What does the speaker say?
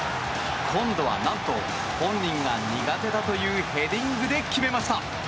今度はなんと本人が苦手だというヘディングで決めました。